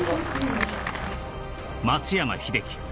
松山英樹